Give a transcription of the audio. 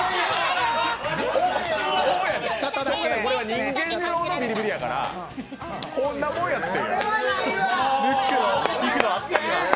人間用のビリビリやからこんなもんやって。